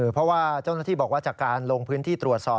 เพราะว่าเจ้าหน้าที่บอกว่าจากการลงพื้นที่ตรวจสอบ